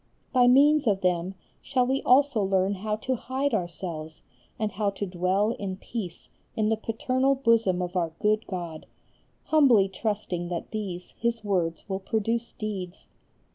By means of them shall we also learn how to hide ourselves and how to dwell in peace in the paternal bosom of our good God, humbly trusting that these his words will produce deeds.